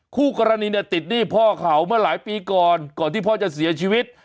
คู่กรณีเนี่ยติดหนี้พ่อเขาเมื่อหลายปีก่อนก่อนที่พ่อจะเสียชีวิต